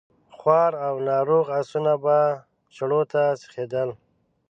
خوار او ناروغ آسونه به چړو ته سيخېدل.